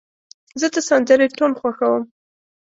زه د سندرې ټون خوښوم.